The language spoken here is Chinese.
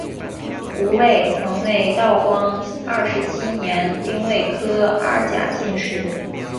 吴慰曾为道光二十七年丁未科二甲进士。